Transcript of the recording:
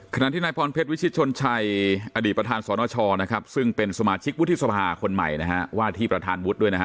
คณะที่นายพรเพศวิชิชชนชัยอดีตประธานสอจะซึ่งเป็นสมาชิกวุฒิศภาคนใหม่และวาดที่ประธานวุฒิเดียว